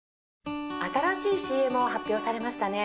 新しいＣＭを発表されましたね。